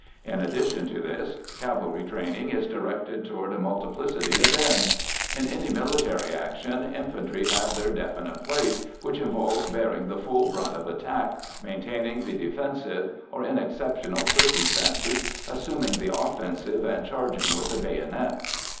In addition to this, cavalry training is directed toward a multiplicity of ends. In any military action infantry have their definite place, which involves bearing the full brunt of attack, maintaining the defensive, or in exceptional circumstances assuming the offensive and charging with the bayonet.